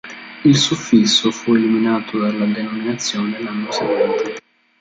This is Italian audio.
Il suffisso fu eliminato dalla denominazione l'anno seguente.